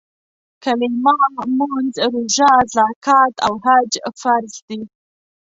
کلیمه، مونځ، روژه، زکات او حج فرض دي.